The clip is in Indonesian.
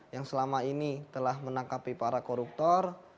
yang selama ini telah menangkapi para koruptor